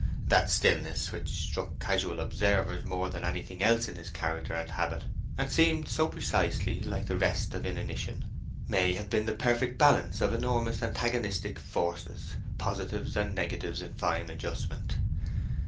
That stillness, which struck casual observers more than anything else in his character and habit, and seemed so precisely like the rest of inanition, may have been the perfect balance of enormous antagonistic forces—positives and negatives in fine adjustment.